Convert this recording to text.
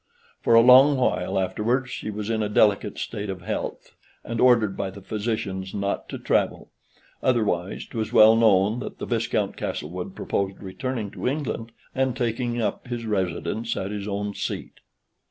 For a long while afterwards she was in a delicate state of health, and ordered by the physicians not to travel; otherwise 'twas well known that the Viscount Castlewood proposed returning to England, and taking up his residence at his own seat.